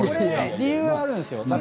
理由があるんですよ